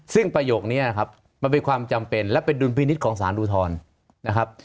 ซึ่งประโยคนี้นะครับมันเป็นความจำเป็นและเป็นดุลพินิษฐ์ของสารอุทธรณ์นะครับ